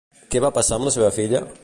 Què va passar en la seva filla?